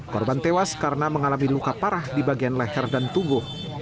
korban tewas karena mengalami luka parah di bagian leher dan tubuh